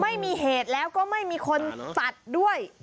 ไม่มีเหตุแล้วก็ไม่มีคนตัดด้วย